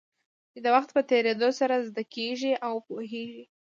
چې د وخت په تېرېدو سره زده کېږي او پوهېږې.